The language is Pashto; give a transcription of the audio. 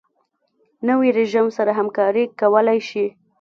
نوی رژیم سره همکاري کولای شي.